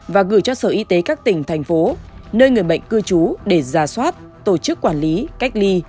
và gửi cho sở y tế các tỉnh thành phố nơi người bệnh cư trú để giả soát tổ chức quản lý cách ly